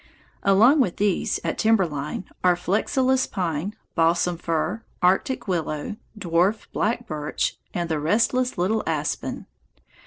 Along with these, at timber line, are flexilis pine, balsam fir, arctic willow, dwarf black birch, and the restless little aspen.